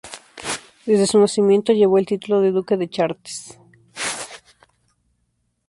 Desde su nacimiento, llevó el título de duque de Chartres.